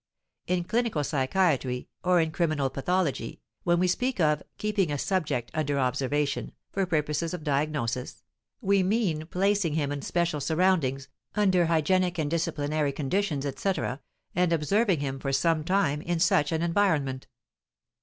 In clinical psychiatry or in criminal pathology, when we speak of "keeping a subject under observation" for purposes of diagnosis, we mean placing him in special surroundings, under hygienic and disciplinary conditions, etc., and observing him for some time in such an environment.